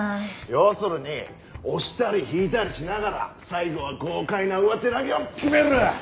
要するに押したり引いたりしながら最後は豪快な上手投げを決める！